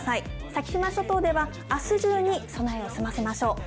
先島諸島では、あす中に備えを済ませましょう。